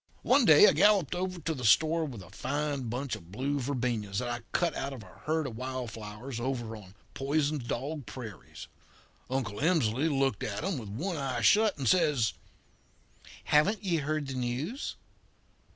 "One day I galloped over to the store with a fine bunch of blue verbenas that I cut out of a herd of wild flowers over on Poisoned Dog Prairie. Uncle Emsley looked at 'em with one eye shut and says: "'Haven't ye heard the news?'